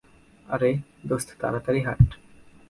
আরে, দোস্ত তাড়াতাড়ি হাঁট।